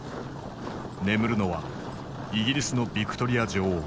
眠るのはイギリスのヴィクトリア女王。